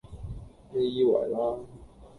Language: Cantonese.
你以為啦！